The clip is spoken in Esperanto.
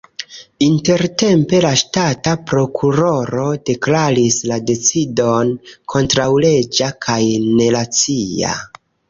Intertempe la ŝtata prokuroro deklaris la decidon kontraŭleĝa kaj neracia.